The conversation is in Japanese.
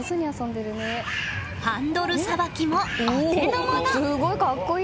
ハンドルさばきもお手のもの！